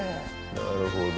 なるほど。